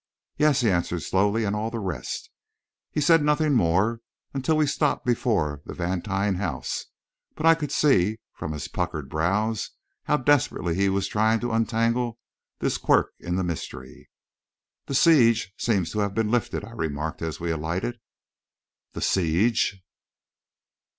"Yes," he answered slowly, "and all the rest." He said nothing more until we stopped before the Vantine house, but I could see, from his puckered brows, how desperately he was trying to untangle this quirk in the mystery. "The siege seems to have been lifted," I remarked, as we alighted. "The siege?"